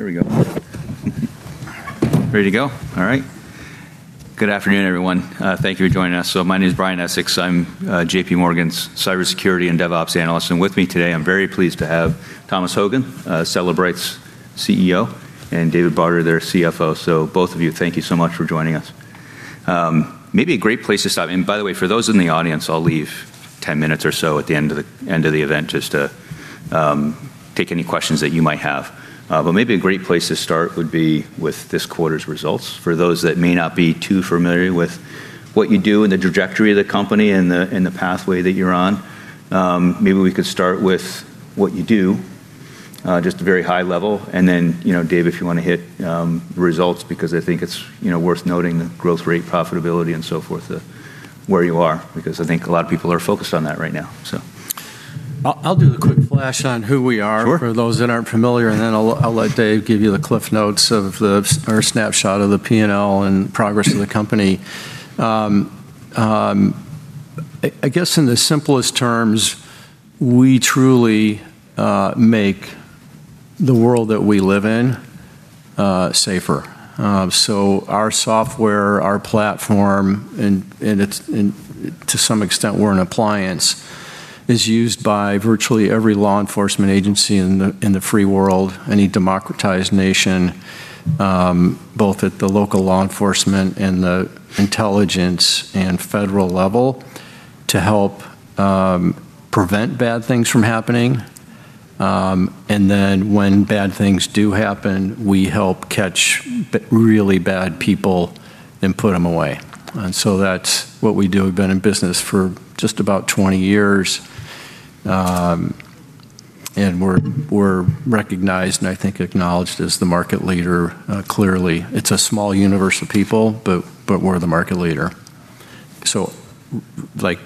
There we go. Ready to go? All right. Good afternoon, everyone. Thank you for joining us. My name's Brian Essex. I'm JPMorgan's cybersecurity and DevOps analyst. With me today, I'm very pleased to have Thomas Hogan, Cellebrite's CEO, and David Barter, their CFO. Both of you, thank you so much for joining us. And by the way, for those in the audience, I'll leave 10 minutes or so at the end of the event just to take any questions that you might have. Maybe a great place to start would be with this quarter's results. For those that may not be too familiar with what you do and the trajectory of the company and the, and the pathway that you're on, maybe we could start with what you do, just a very high level. Then, you know, Dave, if you wanna hit the results because I think it's, you know, worth noting the growth rate, profitability, and so forth of where you are, because I think a lot of people are focused on that right now, so. I'll do the quick flash on who we are. Sure. For those that aren't familiar. Then I'll let David Barter give you the cliff notes of the or snapshot of the P&L and progress of the company. I guess in the simplest terms, we truly make the world that we live in safer. Our software, our platform, and to some extent we're an appliance, is used by virtually every law enforcement agency in the free world, any democratized nation, both at the local law enforcement and the intelligence and federal level to help prevent bad things from happening. When bad things do happen, we help catch really bad people and put them away. That's what we do. We've been in business for just about 20 years. We're recognized and I think acknowledged as the market leader, clearly. It's a small universe of people, we're the market leader. Like,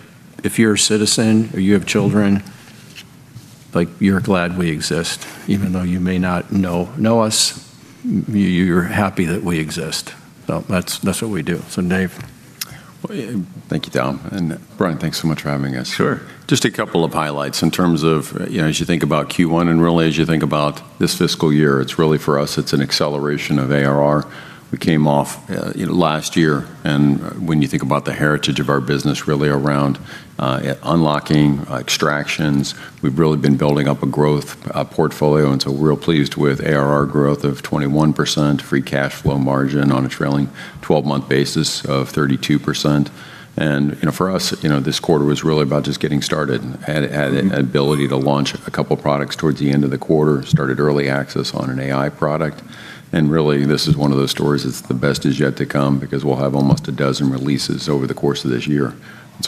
if you're a citizen or you have children, like, you're glad we exist. Even though you may not know us, you're happy that we exist. That's what we do. Dave. Well, thank you, Tom. Brian, thanks so much for having us. Sure. Just a couple of highlights in terms of, you know, as you think about Q1, and really as you think about this fiscal year, it's really, for us, it's an acceleration of ARR. We came off, you know, last year. When you think about the heritage of our business really around unlocking, extractions, we've really been building up a growth portfolio. We're real pleased with ARR growth of 21%, free cash flow margin on a trailing 12-month basis of 32%. You know, for us, you know, this quarter was really about just getting started. Had ability to launch a couple products towards the end of the quarter, started early access on an AI product. Really, this is one of those stories that's the best is yet to come because we'll have almost a dozen releases over the course of this year.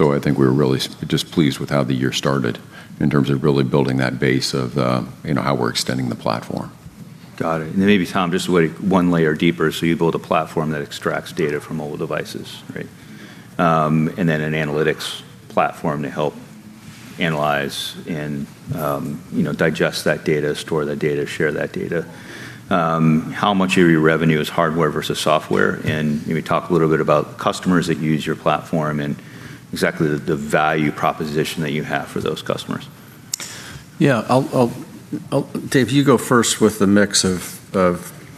I think we're really just pleased with how the year started in terms of really building that base of, you know, how we're extending the platform. Got it. Then maybe, Tom, just one layer deeper. You build a platform that extracts data from mobile devices, right? An analytics platform to help analyze and, you know, digest that data, store that data, share that data. How much of your revenue is hardware versus software? Can you talk a little bit about customers that use your platform and exactly the value proposition that you have for those customers? I'll Dave, you go first with the mix of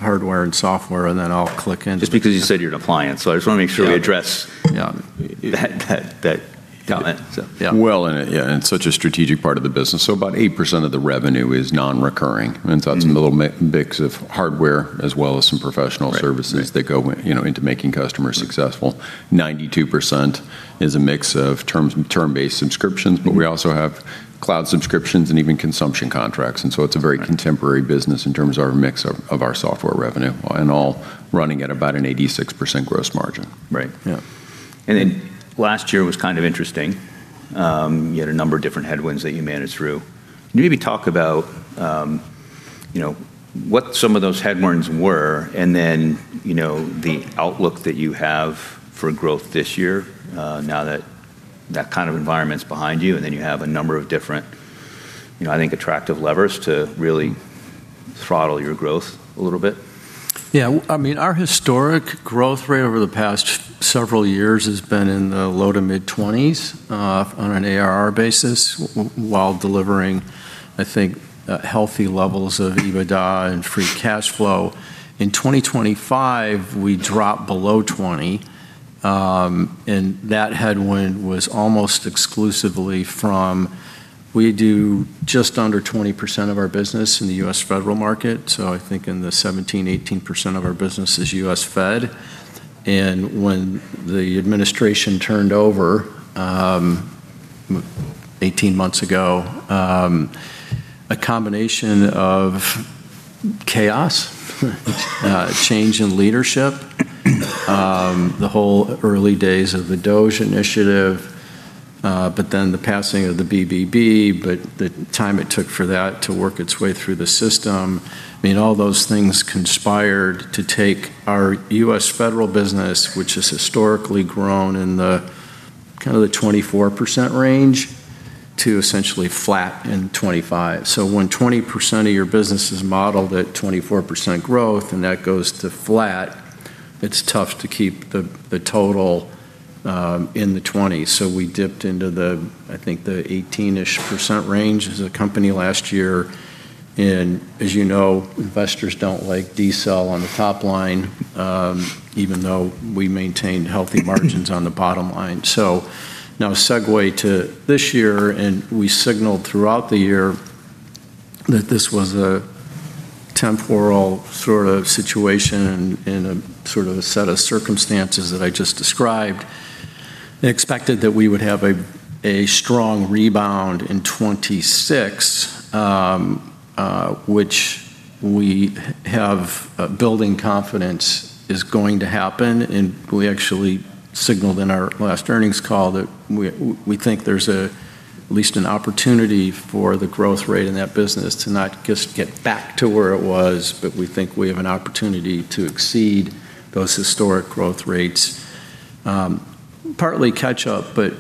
hardware and software, and then I'll kick in. Just because you said you're an appliance, so I just want to make sure you address. Yeah. That comment. Yeah. Such a strategic part of the business. About 8% of the revenue is non-recurring. That's in the little mix of hardware as well as some professional services. Right. That go, you know, into making customers successful. 92% is a mix of terms, term-based subscriptions. We also have cloud subscriptions and even consumption contracts. Right. Contemporary business in terms of our mix of our software revenue, and all running at about an 86% gross margin. Right. Yeah. Last year was kind of interesting. You had a number of different headwinds that you managed through. Can you maybe talk about, you know, what some of those headwinds were and then, you know, the outlook that you have for growth this year, now that that kind of environment's behind you, and then you have a number of different, you know, I think attractive levers to really throttle your growth a little bit? Yeah. I mean, our historic growth rate over the past several years has been in the low to mid-20s on an ARR basis while delivering, I think, healthy levels of EBITDA and free cash flow. In 2025, we dropped below 20, that headwind was almost exclusively from, we do just under 20% of our business in the U.S. federal market, so I think in the 17%-18% of our business is U.S. fed. When the administration turned over 18 months ago, a combination of chaos, change in leadership, the whole early days of the DOGE initiative, but then the passing of the BBB, but the time it took for that to work its way through the system. I mean, all those things conspired to take our U.S. federal business, which has historically grown in the kinda the 24% range, to essentially flat in 2025. When 20% of your business is modeled at 24% growth and that goes to flat, it's tough to keep the total in the 20s%. We dipped into the, I think, the 18-ish% range as a company last year. As you know, investors don't like decel on the top line, even though we maintained healthy margins on the bottom line. Now segue to this year, we signaled throughout the year that this was a temporal sort of situation and a sort of a set of circumstances that I just described, and expected that we would have a strong rebound in 2026, which we have, building confidence is going to happen. We actually signaled in our last earnings call that we think there's at least an opportunity for the growth rate in that business to not just get back to where it was, but we think we have an opportunity to exceed those historic growth rates. Partly catch up, but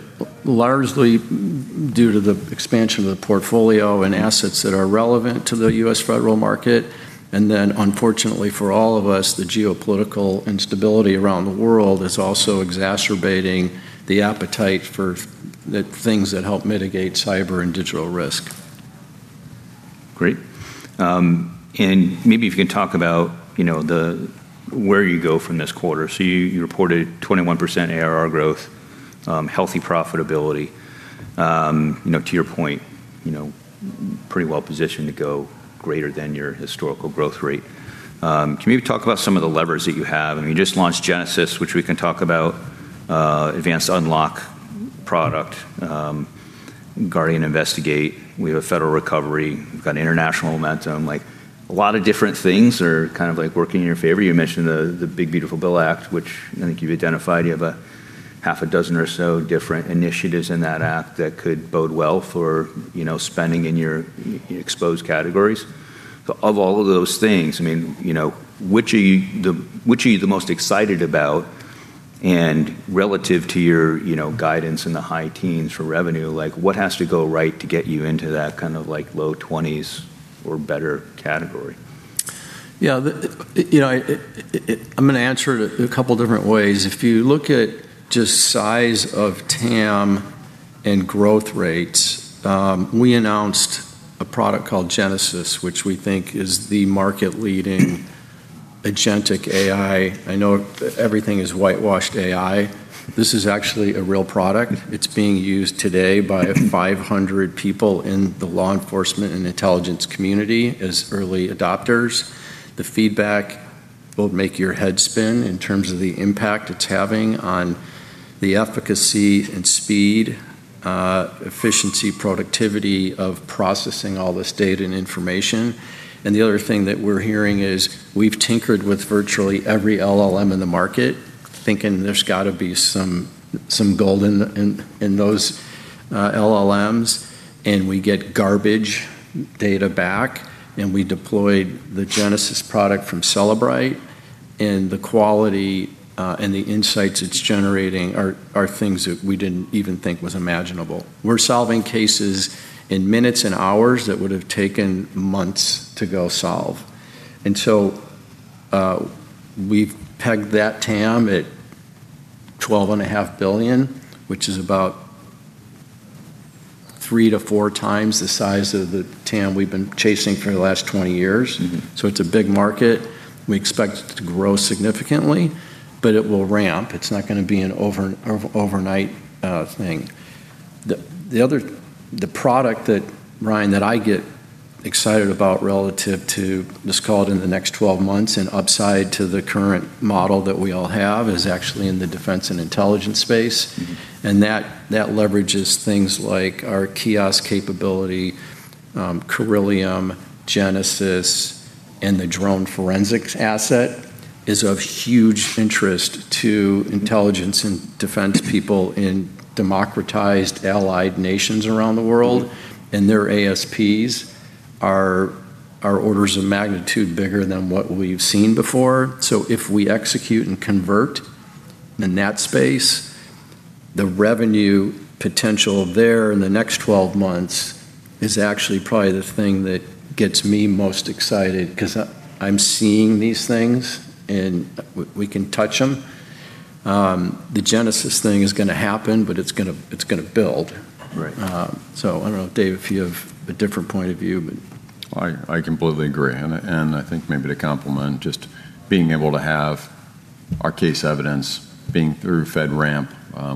largely due to the expansion of the portfolio and assets that are relevant to the U.S. federal market. Unfortunately for all of us, the geopolitical instability around the world is also exacerbating the appetite for the things that help mitigate cyber and digital risk. Great. Maybe if you can talk about, you know, the, where you go from this quarter. You, you reported 21% ARR growth, healthy profitability. You know, to your point, you know, pretty well-positioned to go greater than your historical growth rate. Can you talk about some of the levers that you have? I mean, you just launched Genesis, which we can talk about, Advanced Unlocking Services, Guardian Investigate. We have a federal recovery. We've got international momentum. Like, a lot of different things are kind of like working in your favor. You mentioned the Big Beautiful Bill Act, which I think you've identified. You have a half a dozen or so different initiatives in that act that could bode well for, you know, spending in your exposed categories. Of all of those things, I mean, you know, which are you the most excited about? Relative to your, you know, guidance in the high-teens for revenue, like, what has to go right to get you into that kind of like low 20s or better category? Yeah. You know, I'm gonna answer it a couple different ways. If you look at just size of TAM and growth rates, we announced a product called Genesis, which we think is the market-leading agentic AI. I know everything is whitewashed AI. This is actually a real product. It's being used today by 500 people in the law enforcement and intelligence community as early adopters. The feedback will make your head spin in terms of the impact it's having on the efficacy and speed, efficiency, productivity of processing all this data and information. The other thing that we're hearing is we've tinkered with virtually every LLM in the market, thinking there's got to be some gold in those LLMs, and we get garbage data back. We deployed the Genesis product from Cellebrite, and the quality, and the insights it's generating are things that we didn't even think was imaginable. We're solving cases in minutes and hours that would have taken months to go solve. So, we've pegged that TAM at $12.5 billion, which is about 3x-4x the size of the TAM we've been chasing for the last 20 years. It's a big market. We expect it to grow significantly, but it will ramp. It's not gonna be an overnight thing. The product that, Brian, that I get excited about relative to this call in the next 12 months and upside to the current model that we all have is actually in the defense and intelligence space. That leverages things like our Kiosk capability, Corellium, Genesis, and the drone forensics asset is of huge interest to intelligence and defense people in democratized allied nations around the world. Their ASPs are orders of magnitude bigger than what we have seen before. If we execute and convert in that space, the revenue potential there in the next 12 months is actually probably the thing that gets me most excited because I am seeing these things, and we can touch them. The Genesis thing is going to happen, it is going to build. Right. I don't know, Dave, if you have a different point of view. I completely agree, and I think maybe to complement just being able to have our case evidence being through FedRAMP,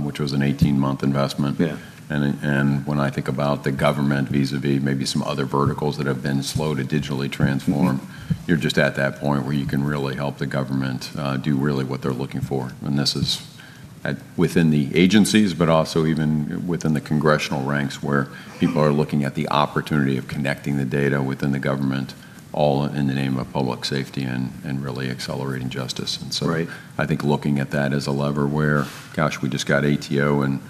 which was an 18-month investment. Yeah. When I think about the government vis-à-vis maybe some other verticals that have been slow to digitally transform. you're just at that point where you can really help the government, do really what they're looking for. This is within the agencies, but also even within the congressional ranks where people are looking at the opportunity of connecting the data within the government, all in the name of public safety and really accelerating justice. Right. I think looking at that as a lever where, gosh, we just got ATO, and,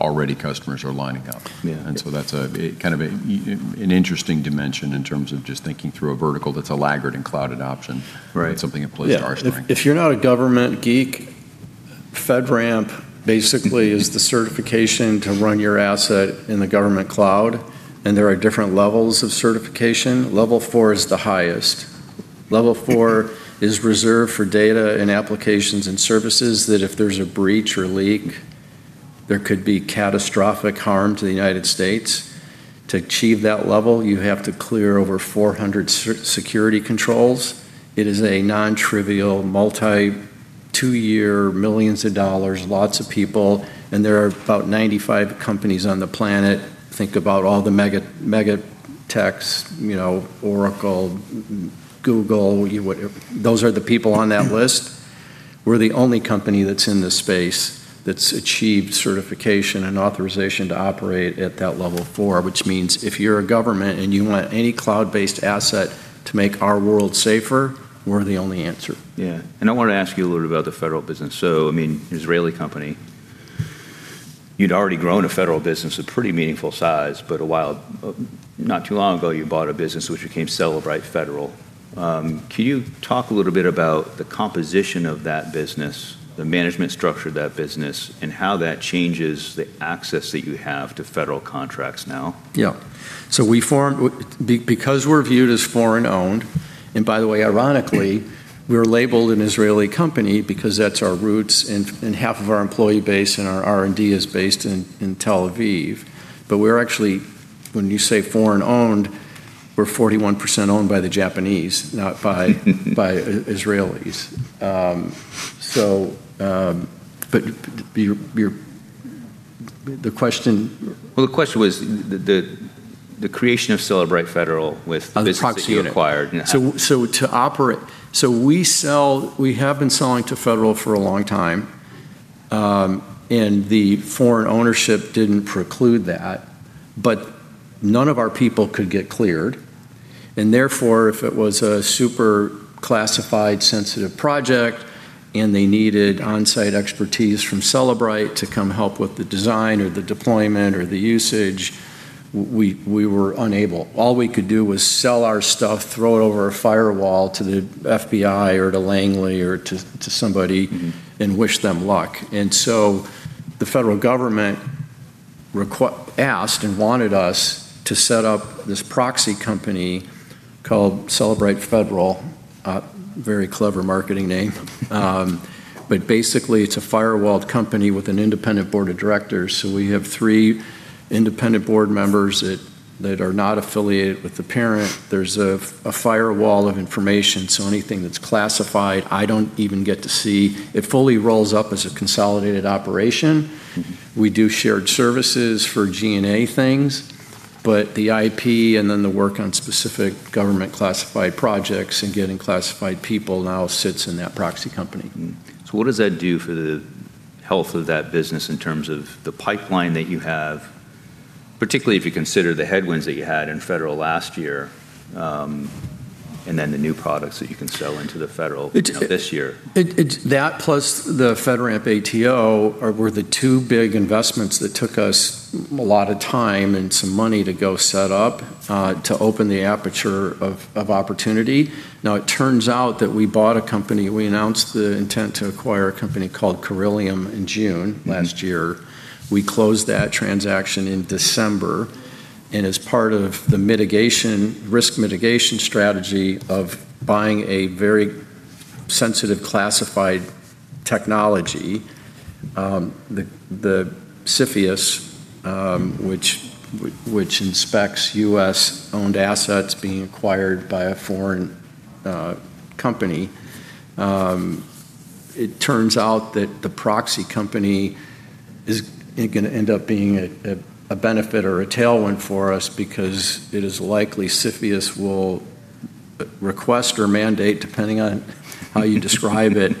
already customers are lining up. Yeah. That's a kind of an interesting dimension in terms of just thinking through a vertical that's a laggard in cloud adoption. Right. It's something that plays to our strength. If you're not a government geek, FedRAMP basically is the certification to run your asset in the government cloud, and there are different levels of certification. Level 4 is the highest. Level 4 is reserved for data and applications and services that if there's a breach or leak, there could be catastrophic harm to the United States. To achieve that level, you have to clear over 400 security controls. It is a non-trivial, multi, two-year, millions of dollars, lots of people, and there are about 95 companies on the planet. Think about all the mega techs, you know, Oracle, Google. Those are the people on that list. We're the only company that's in this space that's achieved certification and authorization to operate at that Level 4, which means if you're a government and you want any cloud-based asset to make our world safer, we're the only answer. Yeah. I wanna ask you a little bit about the federal business. I mean, Israeli company. You'd already grown a federal business a pretty meaningful size, but a while, not too long ago, you bought a business which became Cellebrite Federal. Can you talk a little bit about the composition of that business, the management structure of that business, and how that changes the access that you have to federal contracts now? Yeah. We formed because we're viewed as foreign-owned. By the way, ironically, we're labeled an Israeli company because that's our roots and half of our employee base and our R&D is based in Tel Aviv. We're actually, when you say foreign-owned, we're 41% owned by the Japanese, not by Israelis. Well, the question was the creation of Cellebrite Federal. A proxy unit. The business that you acquired. We sell, we have been selling to Federal for a long time, and the foreign ownership didn't preclude that, but none of our people could get cleared. Therefore, if it was a super classified sensitive project, and they needed on-site expertise from Cellebrite to come help with the design or the deployment or the usage, we were unable. All we could do was sell our stuff, throw it over a firewall to the FBI or to Langley or to somebody and wish them luck. The federal government asked and wanted us to set up this proxy company called Cellebrite Federal, a very clever marketing name. Basically it's a firewalled company with an independent board of directors. We have three independent board members that are not affiliated with the parent. There's a firewall of information, so anything that's classified, I don't even get to see. It fully rolls up as a consolidated operation. We do shared services for G&A things, but the IP and then the work on specific government classified projects and getting classified people now sits in that proxy company. What does that do for the health of that business in terms of the pipeline that you have, particularly if you consider the headwinds that you had in federal last year, and then the new products that you can sell into the federal? It, it- You know, this year? That plus the FedRAMP ATO were the two big investments that took us a lot of time and some money to go set up to open the aperture of opportunity. Now it turns out that we bought a company. We announced the intent to acquire a company called Corellium in June. last year. We closed that transaction in December. As part of the mitigation, risk mitigation strategy of buying a very sensitive classified technology, the CFIUS, which inspects U.S.-owned assets being acquired by a foreign company, it turns out that the proxy company is gonna end up being a benefit or a tailwind for us because it is likely CFIUS will request or mandate, depending on how you describe it,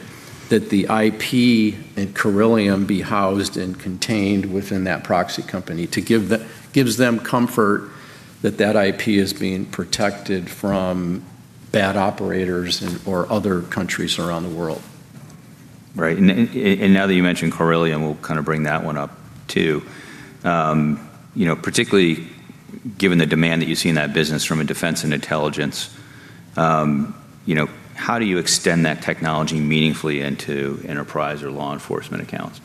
that the IP and Corellium be housed and contained within that proxy company to give them comfort that that IP is being protected from bad operators and, or other countries around the world. Right. Now that you mention Corellium, we'll kinda bring that one up too. You know, particularly given the demand that you see in that business from a defense and intelligence, you know, how do you extend that technology meaningfully into enterprise or law enforcement accounts?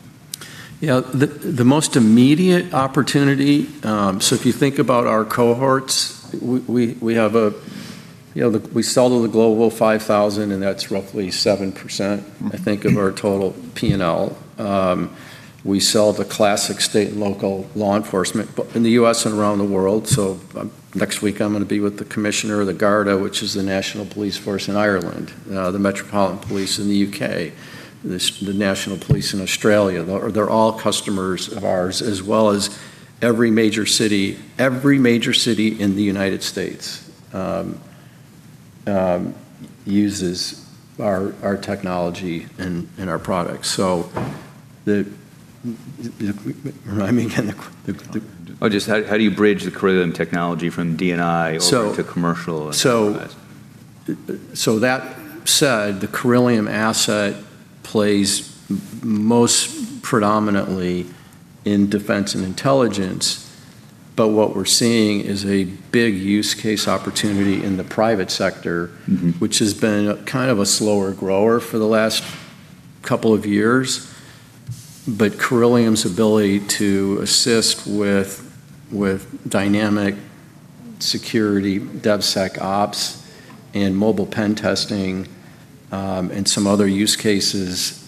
Yeah. The most immediate opportunity. If you think about our cohorts, we have a, you know, we sell to the Global 5000, that's roughly 7%- I think, of our total P&L. We sell to classic state and local law enforcement in the U.S. and around the world. Next week I'm gonna be with the commissioner of the Garda, which is the national police force in Ireland, the Metropolitan Police in the U.K., the national police in Australia. They're all customers of ours, as well as every major city. Every major city in the United States uses our technology and our products. Remind me again. Oh, just how do you bridge the Corellium technology from DNI over? So. To commercial and the like? That said, the Corellium asset plays most predominantly in defense and intelligence. What we're seeing is a big use case opportunity in the private sector, which has been kind of a slower grower for the last couple of years. Corellium's ability to assist with dynamic security, DevSecOps, and mobile pen testing, and some other use cases,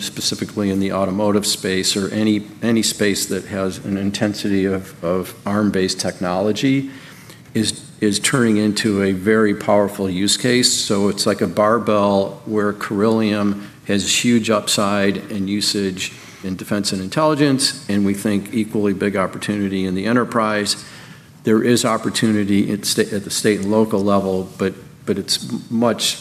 specifically in the automotive space or any space that has an intensity of Arm-based technology, is turning into a very powerful use case. It's like a barbell where Corellium has huge upside and usage in defense and intelligence, and we think equally big opportunity in the enterprise. There is opportunity at the state and local level, but there's much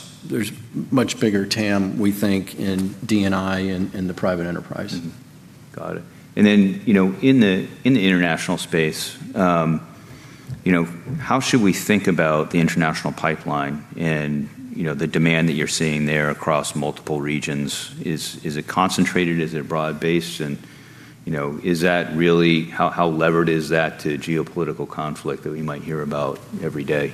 bigger TAM, we think, in DNI and the private enterprise. Got it. Then, you know, in the international space, you know, how should we think about the international pipeline and, you know, the demand that you're seeing there across multiple regions? Is it concentrated? Is it broad-based? You know, is that really how levered is that to geopolitical conflict that we might hear about every day?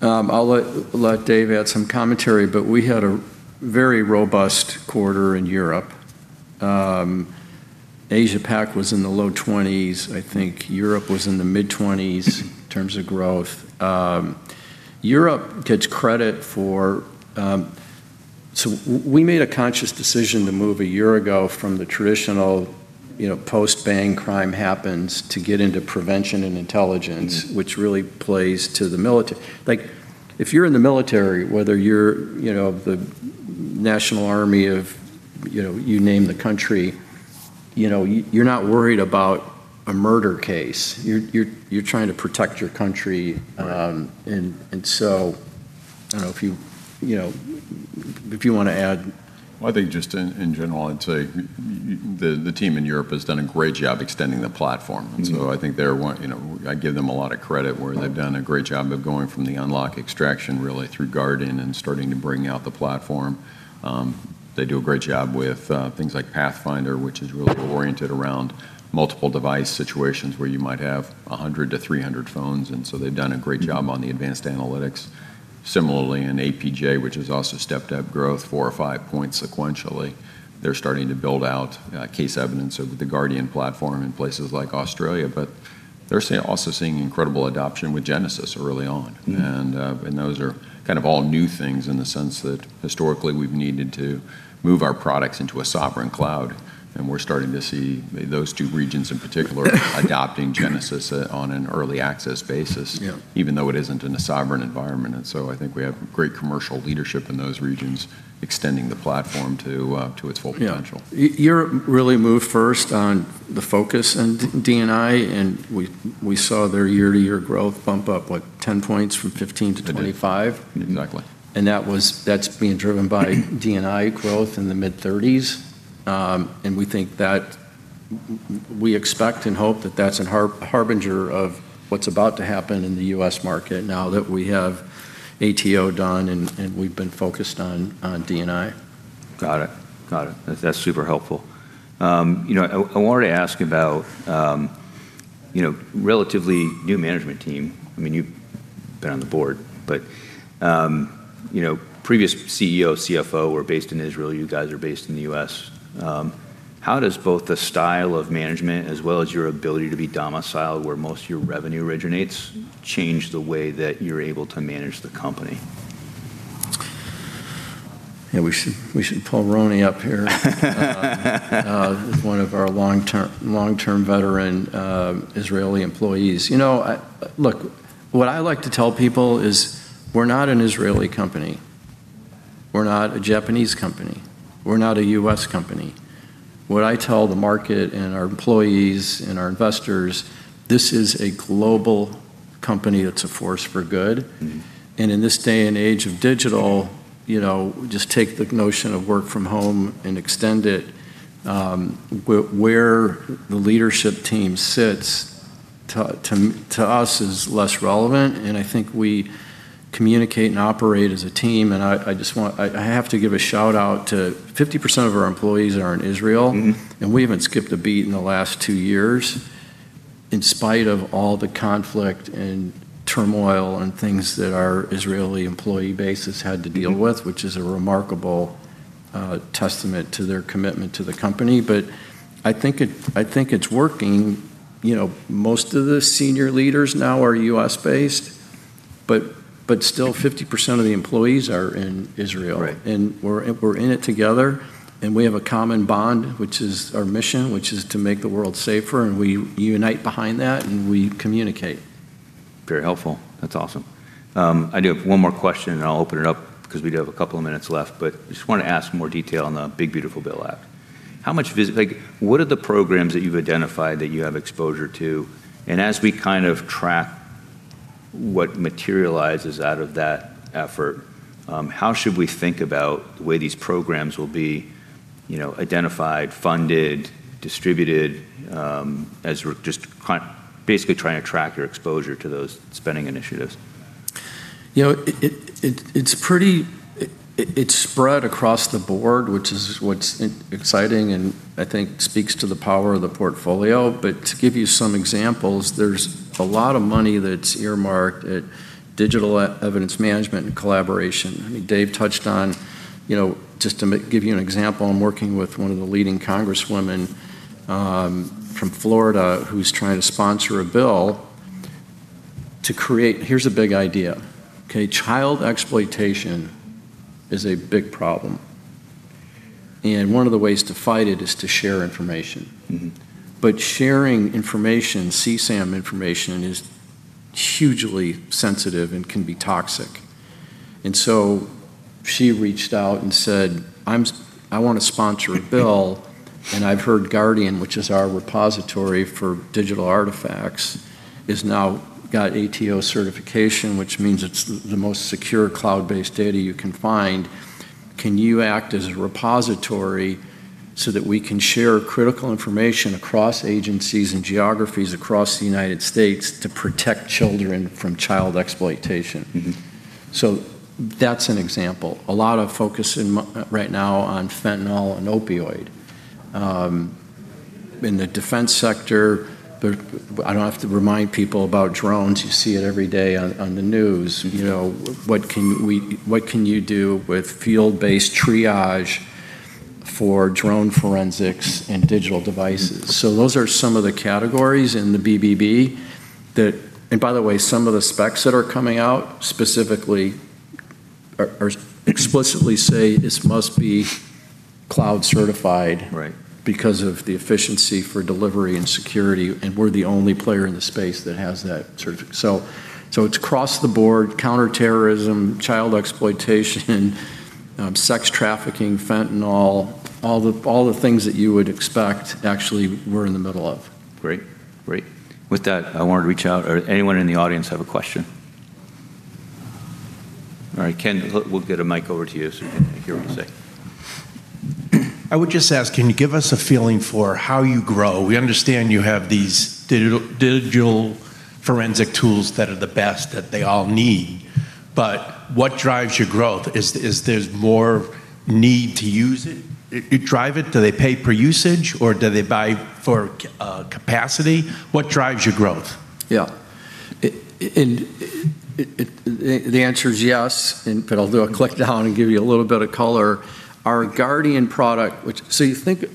I'll let Dave add some commentary, but we had a very robust quarter in Europe. Asia Pac was in the low 20s. I think Europe was in the mid-20s in terms of growth. Europe gets credit for. We made a conscious decision to move a year ago from the traditional, you know, post-bang crime happens to get into prevention and intelligence, which really plays to the military. Like, if you're in the military, whether you're, you know, the national army of, you know, you name the country, you know, you're not worried about a murder case. You're trying to protect your country. Right. I don't know, if you know, if you wanna add. I think just in general, I'd say the team in Europe has done a great job extending the platform. I think they're one, you know, I give them a lot of credit where they've done a great job of going from the unlock extraction really through Guardian and starting to bring out the platform. They do a great job with things like Pathfinder, which is really oriented around multiple device situations where you might have 100 to 300 phones, and so they've done a great job on the advanced analytics. Similarly, in APJ, which has also stepped up growth four or five points sequentially, they're starting to build out case evidence of the Guardian platform in places like Australia. They're also seeing incredible adoption with Genesis early on. Those are kind of all new things in the sense that historically we've needed to move our products into a sovereign cloud, and we're starting to see those two regions in particular adopting Genesis, on an early access basis. Yeah. Even though it isn't in a sovereign environment. I think we have great commercial leadership in those regions extending the platform to its full potential. Yeah. Europe really moved first on the focus in DNI, and we saw their year-to-year growth bump up, what, 10 points from 15% to 25%. Exactly. That's being driven by DNI growth in the mid-30s. We think that we expect and hope that that's a harbinger of what's about to happen in the U.S. market now that we have ATO done and we've been focused on DNI. Got it. That's super helpful. you know, I wanted to ask about, you know, relatively new management team. I mean, you've been on the board, but, you know, previous CEO, CFO were based in Israel. You guys are based in the U.S. How does both the style of management as well as your ability to be domiciled where most of your revenue originates change the way that you're able to manage the company? Yeah, we should pull Roni up here. He's one of our long-term veteran, Israeli employees. You know, what I like to tell people is we're not an Israeli company. We're not a Japanese company. We're not a U.S. company. What I tell the market and our employees and our investors, this is a global company that's a force for good. In this day and age of digital, you know, just take the notion of work from home and extend it, where the leadership team sits to us is less relevant, I think we communicate and operate as a team. I just want I have to give a shout-out to 50% of our employees are in Israel. We haven't skipped a beat in the last two years, in spite of all the conflict and turmoil and things that our Israeli employee base has had to deal with, which is a remarkable testament to their commitment to the company. I think it's working. You know, most of the senior leaders now are U.S.-based, but still 50% of the employees are in Israel. Right. We're in it together, and we have a common bond, which is our mission, which is to make the world safer. We unite behind that, and we communicate. Very helpful. That's awesome. I do have one more question, and I'll open it up because we do have a couple of minutes left, but just wanna ask more detail on the Big Beautiful Bill Act. How much Like, what are the programs that you've identified that you have exposure to? As we kind of track what materializes out of that effort, how should we think about the way these programs will be, you know, identified, funded, distributed, as we're just basically trying to track your exposure to those spending initiatives? You know, it's pretty, it's spread across the board, which is what's exciting, and I think speaks to the power of the portfolio. To give you some examples, there's a lot of money that's earmarked at digital e-evidence management and collaboration. I mean, Dave touched on, you know, just to give you an example, I'm working with one of the leading congresswomen from Florida, who's trying to sponsor a bill to create Here's a big idea, okay? Child exploitation is a big problem, and one of the ways to fight it is to share information. Sharing information, CSAM information, is hugely sensitive and can be toxic. She reached out and said, "I want to sponsor a bill, and I've heard Guardian," which is our repository for digital artifacts, "has now got ATO certification, which means it's the most secure cloud-based data you can find. Can you act as a repository so that we can share critical information across agencies and geographies across the United States to protect children from child exploitation? That's an example. A lot of focus in right now on fentanyl and opioid. In the defense sector, there, I don't have to remind people about drones. You see it every day on the news. You know, what can you do with field-based triage for drone forensics and digital devices? Those are some of the categories in the BBB that And by the way, some of the specs that are coming out specifically are, explicitly say, "This must be cloud certified. Right. Because of the efficiency for delivery and security. We're the only player in the space that has that certificate. It's across the board, counterterrorism, child exploitation, sex trafficking, fentanyl. All the things that you would expect, actually we're in the middle of them. Great. With that, I wanted to reach out. Anyone in the audience have a question? All right, Ken, we'll get a mic over to you so we can hear what you say. I would just ask, can you give us a feeling for how you grow? We understand you have these digital forensic tools that are the best, that they all need, but what drives your growth? Is there's more need to use it to drive it? Do they pay per usage, or do they buy for capacity? What drives your growth? Yeah. It, and it, the answer is yes, and but I'll do a click down and give you a little bit of color. Our Guardian product, which you think,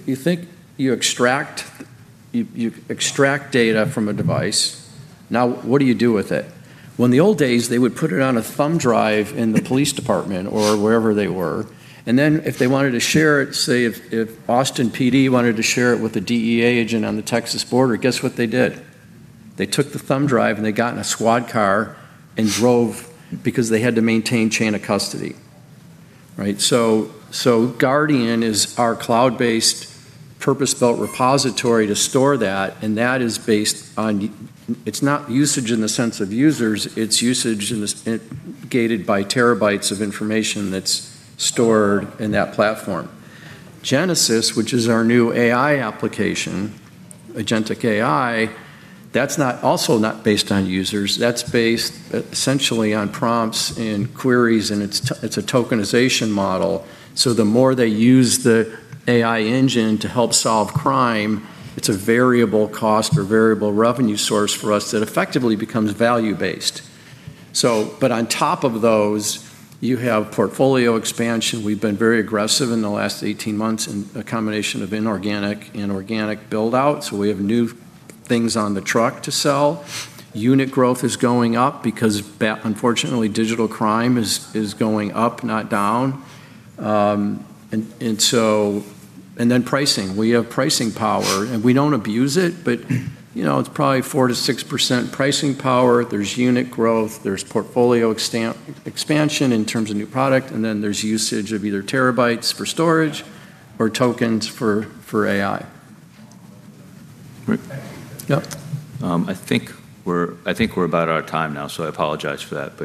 you extract data from a device. Now, what do you do with it? Well, in the old days, they would put it on a thumb drive in the police department or wherever they were, and then if they wanted to share it, say, if Austin PD wanted to share it with a DEA agent on the Texas border, guess what they did? They took the thumb drive, and they got in a squad car and drove, because they had to maintain chain of custody, right? Guardian is our cloud-based purpose-built repository to store that, and that is based on it's not usage in the sense of users. It's usage in the gated by terabytes of information that's stored in that platform. Genesis, which is our new AI application, agentic AI, also not based on users. That's based essentially on prompts and queries, and it's a tokenization model, so the more they use the AI engine to help solve crime, it's a variable cost or variable revenue source for us that effectively becomes value-based. On top of those, you have portfolio expansion. We've been very aggressive in the last 18 months in a combination of inorganic and organic build-outs, so we have new things on the truck to sell. Unit growth is going up because unfortunately, digital crime is going up, not down. Pricing. We have pricing power, and we don't abuse it. You know, it's probably 4%-6% pricing power. There's unit growth. There's portfolio expansion in terms of new product, and then there's usage of either terabytes for storage or tokens for AI. Thank you. Yep. I think we're about out of time now, so I apologize for that.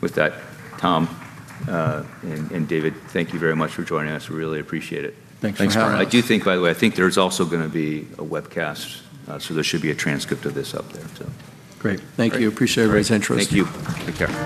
With that, Tom, David, thank you very much for joining us. We really appreciate it. Thanks for having us. I do think, by the way, I think there's also gonna be a webcast, so there should be a transcript of this up there. Great. Thank you. Appreciate it. Raise interest. Thank you. Take care.